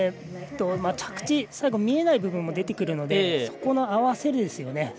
着地、最後見えない部分も出てくるのでそこの合わせですよね。